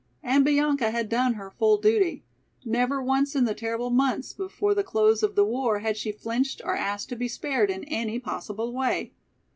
And Bianca had done her full duty. Never once in the terrible months before the close of the war had she flinched or asked to be spared in any possible way.